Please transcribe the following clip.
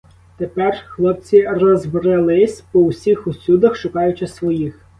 Тепер хлопці розбрелись по усіх усюдах, шукаючи своїх.